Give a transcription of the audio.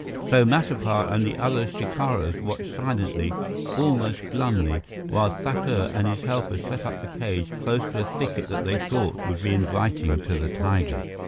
So Matapar and the other shikaris watched silently, almost glumly, while Thakur and his helpers set up the cage close to a thicket that they thought would be inviting to the tiger.